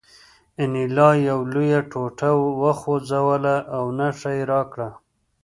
انیلا یوه لویه ټوټه وخوځوله او نښه یې راکړه